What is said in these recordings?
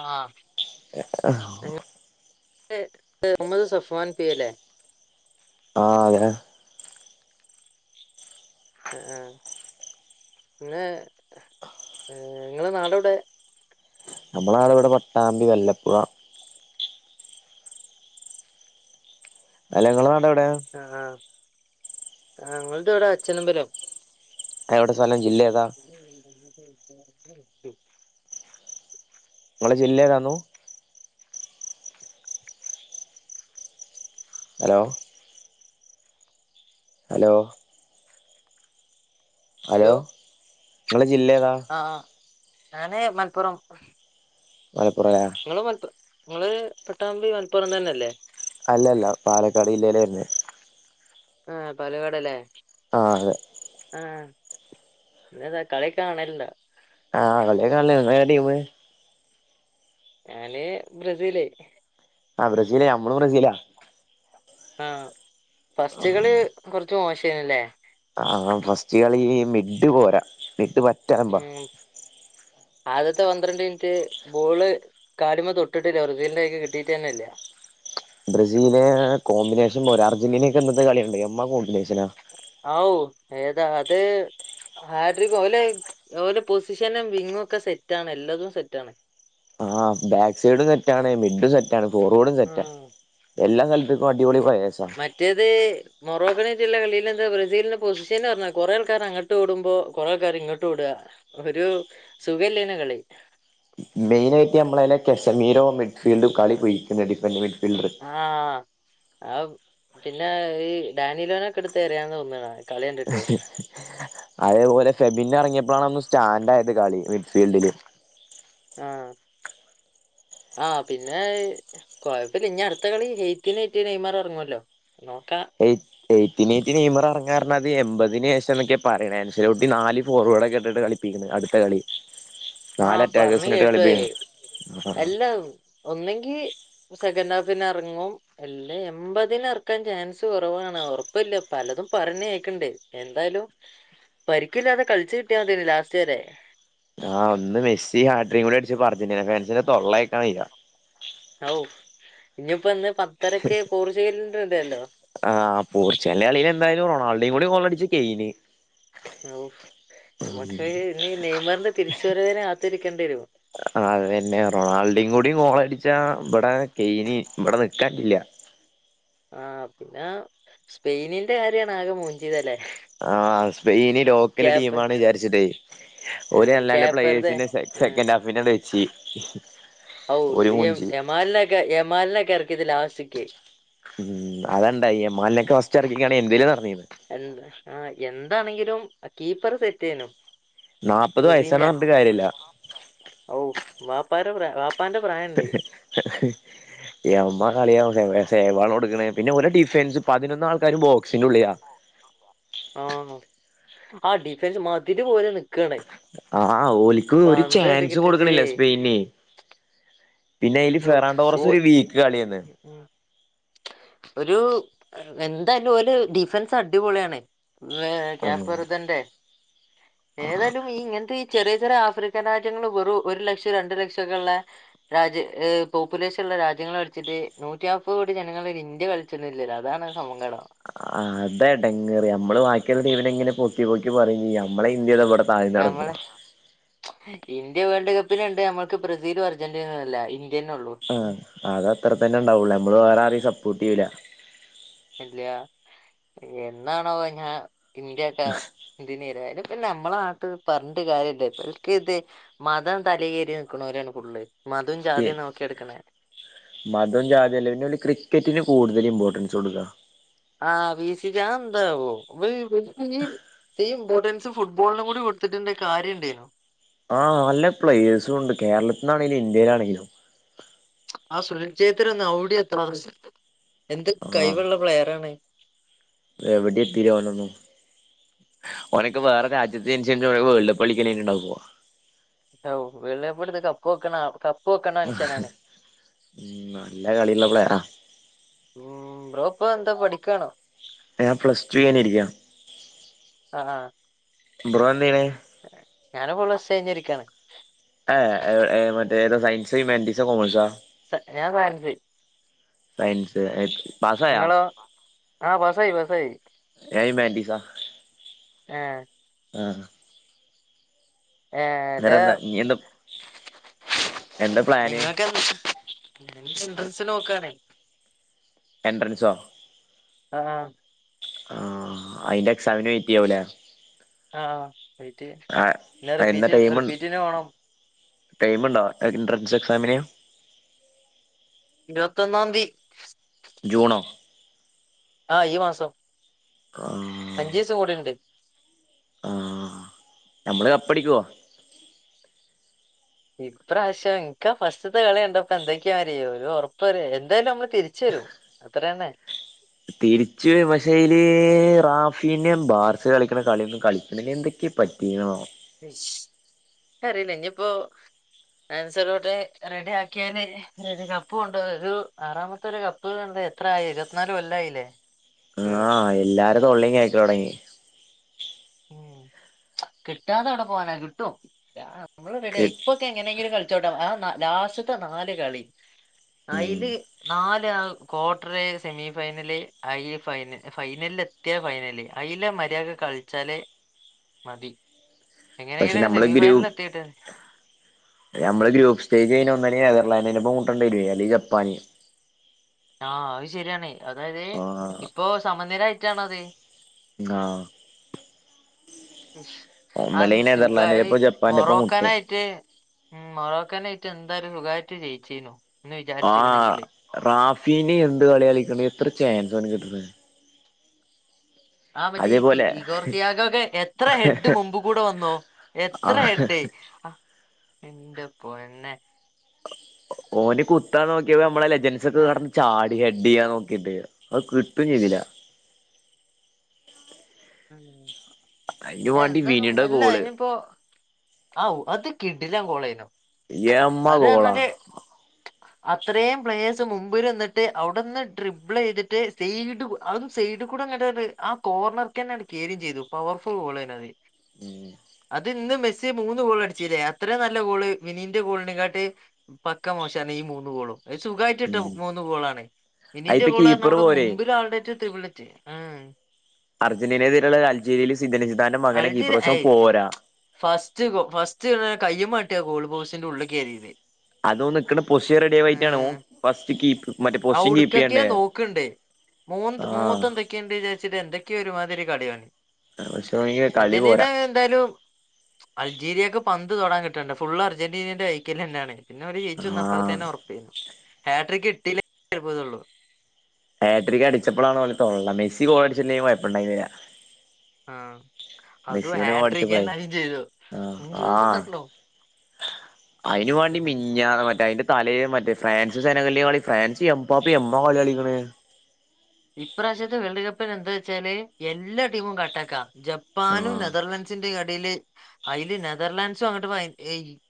ആഹ് ആ [unintelligible] [unintelligible] മുഹമ്മദ് സഫാൻ പി അല്ലെ ആഹ് അതെ ആഹ് പിന്നെ ഏഹ് ഇങ്ങളെ നാട് എവിടെ? നമ്മളെ നാട് ഇവിടെ പട്ടാമ്പി വല്ലപ്പുഴ. അല്ല ഇങ്ങളെ നാട് എവിടെ? ആഹ് ആ ഞങ്ങളത് ഇവിടെ അച്ഛനമ്പലം. എവിടെ സ്ഥലം ജില്ലേതാ? [unintelligible] ഇങ്ങളെ ജില്ല എതാന്നു? ഹലോ. ഹലോ. ഹലോ നിങ്ങളെ ജില്ല എതാ? ആഹ് ഞാന് മലപ്പുറം. മലപ്പുറല്ലേ ഇങ്ങള് മലപ്പുറ ഇങ്ങള് പട്ടാമ്പി മലപ്പുറം തന്നെ അല്ലേ? അല്ലല്ല പാലക്കാട് ജില്ലേലാ വെരുന്നെ ആഹ് പാലക്കാടല്ലേ? ആഹ് അതെ. ആഹ് പിന്നെന്താ കളിയൊക്കെ കാണലുണ്ടോ? ആഹ് കളിയൊക്കെ കാണല്ണ്ട് ഇങ്ങളേതാ ടീമ്? ഞാല് ബ്രസീല്. ആഹ് ബ്രസീല് നമ്മളും ബ്രസീലാ. ആഹ് പസ്റ്റു കളി കൊറച്ച് മോശേയ്ന്നുല്ലേ? ആഹ് ഫസ്റ്റ് കളി മിഡ് പോരാ മിഡ് പറ്റ് ഉം. ആദ്യത്തെ പന്ത്രണ്ട് മിനിറ്റ് ബോള് കാലിമ്മെ തൊട്ടിട്ടില്ല ബ്രസീലിന്റെ കൈക്ക് കിട്ടിയിട്ട്ന്നെല്ല. ബ്രസീല് കോമ്പിനേഷൻ പോരാ അർജന്റീനെക്കെ ഇന്നത്തെ കളി കണ്ടീനാ എമ്മാ കോമ്പിനേഷനാ. ഔ ഏതാ അത് ഹാട്രി ഓല് ഓല് പൊസിഷനും വിങ്ങും ഒക്കെ സെറ്റആണ് എല്ലതും സെറ്റാണ്. ആഹ് ബാക്ക് സൈഡും സെറ്റാണ് മിഡും സെറ്റാണ് ഫോർവേർഡും സെറ്റാ. ഉം എല്ലാ സ്ഥലത്കും അടിപൊളി പ്രയേഴ്സ. മറ്റേത് മൊറോക്കനെറ്റ്ള്ള കളില് എന്താബ്രാസീലിന് പൊസിഷൻ പറഞ്ഞാ കുറെ ആക്കാർ അങ്ങട്ട് വിഓടുമ്പോ കൊറെ ആൾക്കാർ ഇങ്ങട്ട് ഓട ഒരു സുകല്യന കളി മെയിന ആയിട്ട് നമ്മളെ കശ്മീരോ മിഡ്ഫീൽഡോ കളി പയിക്ണ്‌ ഡിഫന്റ് മിഡ്ഫീൽഡ് ആഹ ആ പിന്നെ ഈ ഡാനിലോനൊക്കെ എടുത്ത് എറിയന്ന് തോന്നണ കളി കണ്ടിട്ട് ആഹ് ഹ് അതേപോലെ ഫെബിന്ന് എറങ്ങിയപ്പഴാണ് ഒന്ന് സ്റ്റാൻഡ് ആയത് കളി മിഡ്ഫീൽഡില് ആഹ ആഹ് പിന്നെ കോഴപ്പില്ല ഇനി അടുത്ത കളി ഹെയ്പ്പിനേറ്റ് നെയ്മർ എറങ്ങോല്ലോ നോക്കാ. ഏയ് എയ്റ്ററ്റി നയിമർറങ്ങാറങ്ങാ അത് എമ്പതിനന് ശേഷം എന്നൊകെ പറിണെ എൻസിറോട്ടി നാല് ഫോർവേഡ്ക്കെട്ടിട്ട് കളി പിക്ക്ണ് അടുത്ത കളി ആഹ നാല് പർഞ്ഞു അറ്റാക്കേഴ്സിനിട്ട് കേട്ടുഅഹ് കളിപ്പിക്കണ് അല്ല ഒന്നെങ്കി സെക്കൻഡഹാഫിനറങ്ങും അല്ല എൺമ്പതിനെ എറക്കാൻ ചാൻസ് കുറവാണ് ഉറപ്പില്ല പലതും പരിണ്‌ എക്ണ്ട്. എന്തായാലും പരിക്കില്ലാതെ കളിച്ചു കിട്ടിയാ തേന്ന് ലാസ്റ്റ് വരേ ആഹ ഒന്ന് മെസ്സി ഹാട്രി കൂടെ അടിച്ചപ്പോ അർജന്റിന ഫൻസിന്റെ തൊള്ള കേൾക്കാൻവെയ്യ ഔ ഇഞ്ഞിപ്പോ ഇന്ന് പത്തരക് പോർച്ച് കല്ല് ഇണ്ടല്ലോ. ആ പോർച്ചുകല്ലിന്റെ കളിയില് എന്തായാലും റൊണാൾഡിം കൂടി കൊള്ളടിച്ച കെയിഞ്. ഓഹഫ് ന്ട്ടു ഇ നെയ്മറിന്റെ തിരിച് വരവിന്ന് കാത്തിരിക്കേണ്ടി വരും. ആ അത്തന്നെ റൊണാൾഡിം കൂടി കോളടിച്ചാ ഇവിടെ കെയയിന് ഇവിടെ നിക്കാപട്ടില്ല. ആഹ പിന്നെ സ്പെയിനിന്റെ കാര്യാണ് ആകെ മൂഞ്ചീതല്ലേ. ആ സ്പെയിനി ലോക്കല് ടീം ക്യാപ്പ് ആണ് വിചാരിച്ചിട്ടേ ഒരുല്ലാല ക്യാപ്പ് വെറുതെ പ്ലയേഴ്‌സിന്റെ സെ ഉം. സെക്കൻഡ് ഹാഫിനിടെ വെച്ച് ഔ ഓല് മൂഞ്ചി യമാലിനെക്കെ യമാലിനെക്കെ ഇറക്കിയത് ലാസ്റ്റ് ക്കി അതണ്ട എമാലിനെക്കെ ഫസ്റ്റ് ഇറക്കിക്കാണ് എന്തേലും നടന്നേനെ എന്താ ആഹ് എന്താണെങ്കിലും കീപ്പറ് സെറ്റ് ചെയ്യണം നാപ്പത് വയസാണ് ന്ന് പറഞ്ഞിട്ട് കാര്യമില്ല ഔഹ് വാപ്പാരെ ഫ്ര ബാപ് - - പ്പാന്റെ പ്രായം എമ്മ കളിയ സേവാണ് കൊടുക്കുണെ പിന്നെ ഒരേ ഡിഫൻസ് ഉം പതിനൊന്ന് ആൾക്കാരും ബോക്സിന്റെ ഉള്ളിയാ ആഹ് ആ ഡിഫൻസ് മതില് പോലാണ് ആഹ് ഓലിക്ക് ഒരു ചാൻസും കിട്ടിട്ട് കൊടുക്കണില്ല സ്പെയിൻനെ പിന്നെ അതില് ഫെറണ്ടോറസ് ഒരു വീക്ക് കളിയന്ന് ഉം ഒരു എന്തായാലും ഓന്റെ ഡിഫൻസ് അടിപൊളിയാണ് കാപ് ആഹ് വെർതെന്റെ ഏതായാലും ഈ ഇങ്ങനത്തെ ഈ ചെറിയ ചെറിയ ആഫ്രിക്കൻ രാജ്യങ്ങൾ വെറും ഒരു ലക്ഷം രണ്ടു ലക്ഷം ഒക്കെ ഉള്ളെ രാജ്യ ഏഹ് പോപ്പുലേഷൻ ഉള്ള രാജ്യങ്ങൾ അടിച്ചിട്ട് നൂറ്റിയാപ്പത് കോ - - ജനങ്ങളൊരു ഇന്ത്യ കളിച്ചൊന്നില്ല അതാണ് സങ്കടം ആഹ് അതെടങ്ങേറ് നമ്മള് ബാക്കിയുള്ള ടീമിനെ ഇങ്ങനെ പൊക്കി പൊക്കി പറയും നമ്മളെ ഇന്ത്യടെ ഇവിടെ താഴ്ന്ന് കെടക്കണു നമ്മളെ ഇന്ത്യ വേൾഡ് കപ്പിനുണ്ടെ നമ്മക്ക് ബ്രസീലും അർജന്റീനല്ല ഇന്ത്യന്നെ ഉള്ളൂ ആഹ് അത് അത്ര തന്നെ ഉണ്ടാവൂള്ളേ നമ്മള് വേറെ ആരേയും സപ്പോർട്ട് ചെയ്യൂല ഇല്ല എന്നാണാവോ ഞാൻ ഇന്ത്യ ഒക്കെ എന്തിനാരും ഇപ്പ നമ്മെ നാട്ട് പറഞ്ഞിട്ട് കാര്യം ഇല്ല ഇവർക്ക്‌ ഇതെ മതം തലേകേറി നിൽക്കുണോരാണ് ഫുൾ മതവും ജാതിയും നോക്കിയ എടുക്കണെ മതോം ജാതിയല്ല പിന്നെ വല്ല ക്രിക്കറ്റിന് കൂടുതൽ ഇമ്പോർട്ടൻസ് കൊടുക്കുക ആ വീശിക്കാൻ എന്താവോ [unintelligible] ഇമ്പോർട്ടൻസ് സ്‌ ഫുട്ബോള്നും കൂടെ കൊടുത്തിട്ടുണ്ടേ കാര്യം ണ്ടേയ്നു ആ നല്ല പ്ലേയേഴ്‌സ്സുംണ്ട് കേരളത്തിന്നാണെലും ഇന്ത്യയിലാണെങ്കിലും ആ സുനിൽ ചേത്ര ഒന്ന് അവ്ടി എത്ത്ണ [unintelligible] എന്ത് കയിവുള്ള പ്ലെയർ ആണെ എവ്ടിം എത്തീല ഓനൊന്നും ഓനൊക്കെ വേറെ രാജ്യത്ത് ജനിച്ചോണ്ട് വേൾഡ്കപ്പ് കളിക്കല് ഇനി ഉണ്ടാവുമോ ഔ വേൾഡ് കപ്പ്‌ എടുത്തു കപ്പ്‌ വെക്കണ ആ കപ്പ്‌ നല്ല കളിയുപ്രേയറ ഉം ബ്രോ പ്പ എന്താ പഠിക്കാണോ? ഞാൻ പ്ലസ് ടു കഴിഞ് ഇരിക്കയാണ് ബ്രോ എന്ത ചെയ്യണേ ഞാനും ഇപ്പൊ പ്ലസ് ടു കഴിഞ്ഞിരിക്കയാണ് ഏ ഏ ഏ മറ്റേ ഏതാ സയൻസ് ഹിമാന്റീസ കോമേഴ്സാ സ ഞാൻ സയൻസ് സയൻസ് അത് ശരി ങ്ങളോ ആ പാസ്സായി പാസ്സായി ഞാൻ ഹിമാന്റീസാ ഏ ആഹ് എന്നിട്ട് ഏതാ എന്താ ഇനി എന്താ എന്താ പ്ലാന് നിങ്ങൾക്ക് എന്ത്‌ ഞാനിപ്പൊ എൻട്രൻസ് നോക്കാണ് എൻട്രൻസോ ആഹ് ആ അയ്ന്റെ എക്സാമിന് വെയ്റ്റ് യാവൂലെ ആ വൈറ്റ്യ്യ ആഹ് ന്നെ എന്നാ റിപ്പീറ്റ് ടൈം റിപ്പീറ്റ് ന്നെ വേണം ടൈമുണ്ടോ എൻട്രൻസ് എക്സാമിന് ഇരുവത്തൊന്നാംന്തി ജൂണോ ആ ഈ മാസം ആമ്മ് അഞ്ച്സം കൂടിണ്ട് ആ നമ്മള് കപ്പടിക്കുവോ ഇപ്പ്രാവശ്യം ഇൻക്കാ ഫസ്റ്റ്ത്തെ കളികണ്ടപ്പൊ എന്തൊക്കെയാരി ഒരു ഉറപ്പര് എന്തായാലും മ്മള് തിരിച്ച വരും അത്ര തന്നെ തിരിച്ച് വരും പക്ഷേ അയ്ല് റാഫീനിം ബാർസ് കളിക്കണ കളിയൊന്നും കളിക്ക്ണ്ല്ല എന്തൊക്കെയ പറ്റീക്ക്ണ് ആവോ ശ് ക്ക് അറീല ഞ്ഞിപ്പോ അനസറിട്ട് റെഡി ആക്കിയല് ഒരു കപ്പ് കൊണ്ട ഒരു ആറാമത്തെ ഒരു കപ്പ് പ്പ് കണ്ട് എത്ര ആയി ഇരുപത്തിനാല് കൊല്ലായില്ലേ ഉം ആ എല്ലാരെ തൊള്ളേം കേക്കലൊട്ങ്ങി ഉം കിട്ടാതെ എവ്ടെ പോവാനാ കിട്ടും ആ മ്മള് കി റെഡിആയി പ്പൊ ഇപ്പൊ എങ്ങനെങ്കിലും കളിച്ചോട്ടോ ആ ലാസ്റ്റ്ത്തെ നാല് കളി ഉം അയ്ല് നാല് ആ ക്വാട്ടർ സെമി ഫൈനല് അയ് ഫൈന് ഫൈനലിൽ എത്തിയ ഫൈനല് അയ്ല മര്യാദക്ക് കൾ ച്ചാല് മതി പക്ഷെ എങ്ങനെങ്കിലും ഒക്കെ നമ്മള് സെമി ഫൈനലിൽ എത്തിട്ട അതിന് നമ്മള് ഗ്രൂപ്പ് സ്റ്റേജ് അതിന് ഒന്നെല്ലെങ്കിൽ നെതർലാന്റിന്റെ ഒപ്പം മുട്ടേണ്ടി വരും അല്ലെങ്കിൽ ജപ്പാന് ആ അത് ശരിയാണ് അതായത് ആഹ് ഇപ്പോ സമനിലയിട്ടാണ് അത് ആഹ് ശ് അത് ഒന്നല്ലെങ്കി സുഗായി നെതർലാൻഡിന്റൊപ്പം ജപ്പാന്റൊപ്പം മുട്ടും മൊറോക്കനായ്റ്റ് ഉം മൊറോക്കനെയ്റ്റ് എന്തായാലും സുഖയിട്ട് ജയിച്ചീനു എന്ന് ആ വിചാരിച്ചിക്കണെങ്കില് റാഫീന് എന്ത് കളിയാ കളിക്കണ് എത്ര ചാൻസണ് കിട്ട്ണത് ആ മറ്റേ ഈ അതേപോലെ ഈ കോർത്തിയാക ഒക്കെ എത്ര ഹെഡ് മുമ്പ് കൂടെ വന്നോ എത്ര ആഹ് ഹെഡ് എന്റെ പൊന്നെ ഓന് കുത്താ നോക്കിയപ്പോ നമ്മളെ ലെജൻസ് ഒക്കെ ആ കിടന്ന് ചാടി ഹെഡ് ചെയ്യാ നോക്കിട്ട് അത് കിട്ടും ഇഷ്. ചെയ്തില്ല അയിന് വാണ്ടി എന്തായാലും വിനിയുടെ അല്ല ഗോള് ഇനിയിപ്പോ ആവൂ അത് കിടിലം കോളേനു എമ്മ അത് ഗോളാ പറഞ്ഞാല് അത്രയും പ്ലേസ് മുമ്പിൽ നിന്നിട്ട് അവിടെന്ന് ട്രിബിൾയ്തിട്ട് സൈഡ് അതും സൈഡിൽ കൂടെങ്ങട്ട ആ കോർണർക്ക് തന്നെയാണ് കയറിം ചെയ്തു പവർഫുൾ ഗോൾ തന്നെ അത് ഉം അത് ഇന്ന് മെസ്സി മൂന്ന് ഗോൾ അടിച്ചില്ലേ അത്രയും നല്ല ഗോള് മിനീന്റെ ഗോളിനിംകാട്ടി പക്ക മോശം ആണ് ഈ മൂന്ന് ഗോളും അത് സുഖമായിട്ട് ഇട്ട ഉം മൂന്ന് ഗോളാണ് മിനിന്റെ അയിത്തെ ഗോൾ എന്ന് പറഞ്ഞ കീപ്പർ അവിടെ പോരെ മുമ്പില ആളുണ്ടായിട്ട് ത വിളിച്ച് അർജന്റീനയെതിരുള്ള അൽജീരിയയിൽ സിധനശിധന്റെ മകനെ ഈ അൾജീരിയ പ്രാവശം ഏയ് പോരാ ഫസ്റ്റ് ഫസ്റ്റ് കയ്യുമാട്ടിയ ഗോൾ ബോക്സിന്റെ ഉള്ളിൽ കയറിയത് അത് ഓൻ നിക്കുന്ന പൊസിഷൻ റെഡിയാവെഞ്ഞിട്ടാണ് ഓൻ ഫസ്റ്റ് കീപ്പ് മറ്റേ പൊസിഷൻ കീപ്പ് അവട്ക്കൊക്കെ ചെയ്യണ്ടേ നോക്കണ്ട് മൂ ആഹ് മൂത് എന്തൊക്കെ ക്കെണ്ട് വിചാരിച്ചിട്ട് എന്തൊക്കെയ ഒരുമാതിരി കളിയാണ് പക്ഷെ ഓനിക്ക് കളി അർജന്റീന പോരാ എന്തായാലും അൾജീരിയക്ക് പന്ത് തൊടാൻ കിട്ടണ്ടെ ഫുള് അർജന്റീനന്റെ കൈക്കിൽ ന്നെയാണ് പിന്നെ ഓൾ ജയിച്ചു അപ്പോൾ ആഹ് ത്തന്നെ ഉറപ്പ് ഹാട്രിക് കിട്ടീലെ അത്‍ഭുതം ഒള്ളൂ ഹാഡ്രിക്ക് അടിച്ചപ്പോൾ ആണ് ഓൾ തൊള്ള മെസ്സി ഗോൾ അടിച്ചില്ലെങ്കിലും കുഴപ്പമുണ്ടായിരുന്നില്ല ആ അത് മെസ്സിയോന് ഗോൾ അടിച്ചപ്പളേ ഹാഡ്രിക്ക്ന്നെ അത് ചെയ്തു ആഹ് ആഹ് അയിന് വേണ്ടി മിനിഞ്ഞാന്ന് മറ്റേ അതിന്റെ തലേന്ന് മറ്റേ ഫ്രാൻസ് ജനകല് കളി ഫ്രാൻസ് എമ്പാപ്പ എമ്മ കളിയാ കളിക്ക്ണ് ഇപ്രാവശ്യത്തെ വേൾഡ് കപ്പന് എന്താച്ചാല് എല്ലാ ടീമും കട്ടക്കാ ജപ്പാനും ആഹ് നെതർലൻഡസും ന്റെ എടയില് അയ്ല് നെതർലാൻഡ്സും അങ്ങോട്ട്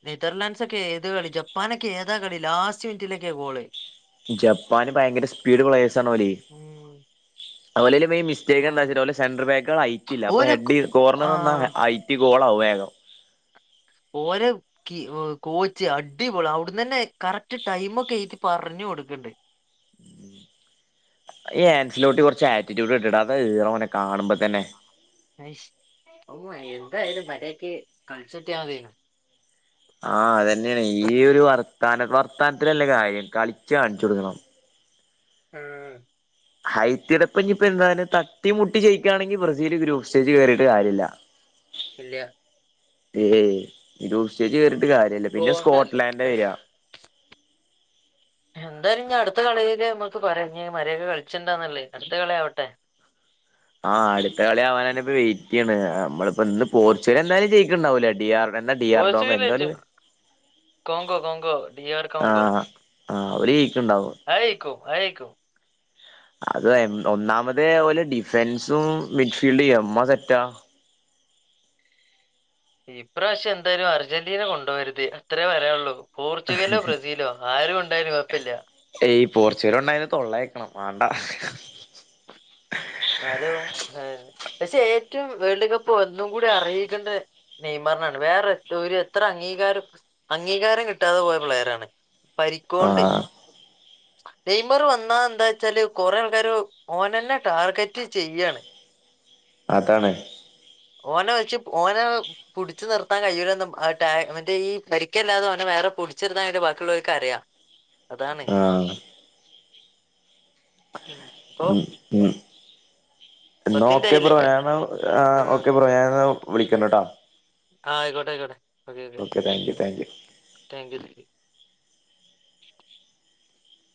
നെതർലാൻറ്സ് ഒക്കെ ഏത് കള ജപ്പാനൊക്കെ ഏതാ കളി ലാസ്റ്റ് മിനിറ്റിലക്കാ ഗോള് ജപ്പാന് ഭയങ്കര സ്പീഡ് പ്ളയേഴ ആണ് ഓല് ഉം. ഓലയിലെ മറ്റേക്ക് ആ. എാ വച്ചട്ട സെൻറർ ബേഗുക ഐറ്റ്ല്ല അപ്പൊ ഓരെ ഹെഡ് കോ- ആ കോർണർന്ന് ഹഐറ്റ് കോളാവും വേഗം ഓര് കോച്ച് അടിപൊളെ അവിടന്ന് തന്നെ കറക്റ്റ് ടൈമ ഒക്കെ എഴുത്തി പറഞ്ഞു കൊടുക്കണ്ട് ഈ ആൻസിലോട്ട കുറച്ച് ആറ്റൂറ്റൂഡ്ടാത അതാ ഈറ ഓനെ കാണുബോൾ തന്നെ അയ്ഷ് എന്തായാലും മര്യായ്ക്ക് കളിച്ചട്ടിയാ മതി ആഹ് അത്തന്നെയാണ് ഈ ഒരു വർത്ത വർത്താനത്തിലല്ല കാര്യം കളിച്ചു കാണിച്ചു കൊടുക്കണം ആഹ് ഹൈത്തിയടപ്പ ഇ ഇപ്പൊ എന്ത തട്ടി മുട്ടി ജയ്ക്കണെങ്ക ബ്രസീൽ ഗ്രൂ്പ്പ്സ്റ്റേജ് കേയറിട്ട് കാര്യമില്ല ഇല് യാ ഏയ് ഇ ഉസ്ച്ച് കേറിട്ട് കാര്യല്ല ഇപ്പൊ പിന്നെ കൊണ്ടല്ലേ സ്കോട്ട്ലാൻഡ വരി എന്താലും ഞാ അടുത്ത കളിയില് നമ്മുക്ക് കു മരയൊക്കെ കളിച്ചിണ്ടന്നല്ലേ അടുത്ത കളി ആവട്ടെ ആഹ് ടുത്ത കളി ആവാനന്ന ഇപ്പ വെയിറ്റ് ചെയ്യണ് നമ്മളിപ്പ ഇന്ന് പോർച്ചുഗൽ എന്തായാലും ചെയയിക്കണ്ടാവൂല്ലേ ഡിയർ വല്ല ഡി ആർ ഡോ എന്താല കോ കോ കോകോ ഡിയർ കോ കോ ആഹ് ആഹ് അവര് ജയിക്കണ്ടാവും ആയിക്കൂ ആയിക്കൂ അത് ഒന്നാമതേ ഓലെ ഡിഫെൻസും മിഡ്ഫീൽഡും എമ്മ സെറ്റാ ഇപ്രാവശ്യം എന്തായാലും അർജന്റീന കൊണ്ടോവരുത് അത്രയേ പറയാനോള്ളൂ പോർച്ചുഗലോ ബ്രസീലോ ആരും കൊണ്ടായാലും കുഴപ്പില്ല ഈ പോർച്ചുഗല ഉണ്ടായുന്ന തൊള്ളകേക്കണം വെണ്ടാ എന്നാലോ ലക്ഷേ ഏറ്റവും വേൾഡ് കപ്പ് ഒന്നും കൂടി അറിയിക്കേണ്ട നെയ്മറിനാണ് വേറെ ഒരു എത്ര അംഗീകാരം അംഗീകാരം കിട്ടാതെ പോയുള്ള പ്ലെയരാണ് പരിക്കോണ്ട് ആഹ് നെയമർ വന്നാ ന്താ വച്ചാല് കൊറെേ ആൾക്കാര് ഓനന്നെ ടാർഗറ്റ് ചെയ്യാണ് അതാണ് ഓന വച്ച ഓന പിടിച് നിർത്താൻ കഴിയൂല മറ്റേ ഈ പരിക്കല്ലാതെനെ വേറെ പിടിച്ചെർത്താൻ വണ്ട് ബാക്കിള്ളവർക്ക് അറിയാം അതാണ് ആഹ് ഇപ്പൊ ഉം ഉം എന്ന പത്തിന്റെ ഓക്കെ ആയില്ലേ ബ്രോ ഞന്ന് ആ ഓക്കെ പറയ ഞൻ വിളിക്കണ്ട് കേട്ടോ ആഹ് ആയ്ക്കോട്ട ആയ്ക്കോട്ടെ okay thank you thank you thank you thank U